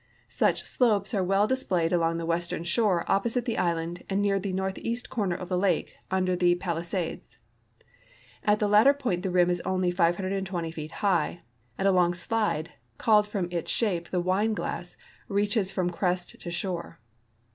Such slopes are well displayed along the western shore o})posite the island and near the northeast corner of the lake under the ])alisades. At the latter ])oint the rim is only 5"20 feet high, and a long slide, called fron.i its shape tlie Wuie<il<iss, reaches from crest to shore.